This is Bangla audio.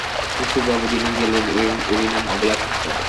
রসিকবাবু, যিনি গেলেন এঁরই নাম অবলাকান্ত?